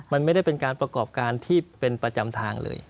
มันไม่ได้เป็นการประกอบการที่เป็นประจำทางเลย